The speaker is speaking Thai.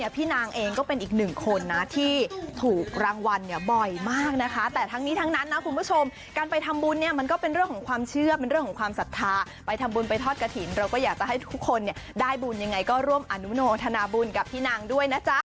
มันก็เป็นเรื่องของความเชื่อเป็นเรื่องของความศรัทธาไปทำบุญไปทอดกะถิ่นเราก็อยากจะให้ทุกคนเนี่ยได้บุญยังไงก็ร่วมอนุโนธนาบุญกับพี่นางด้วยนะจ๊ะ